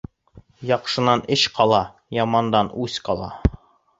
Яҡшынан эш ҡала, ямандан үс ҡала.